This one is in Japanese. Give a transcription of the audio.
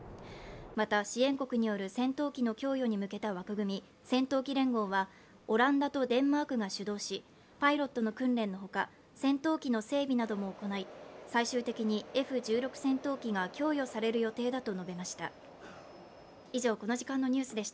また、支援国による戦闘機の供与に向けた枠組み、戦闘機連合はオランダとデンマークが主導し、パイロットの訓練のほか、戦闘機の整備なども行い最終的にＦ−１６戦闘機が供与される予定だと述べました。